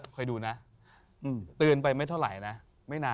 ทุกคนก็ดูน่ะจึงเทือนไปไม่เข้าใจนะ